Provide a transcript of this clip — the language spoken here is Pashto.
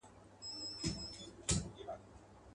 موږ پخپله یو له حل څخه بېزاره.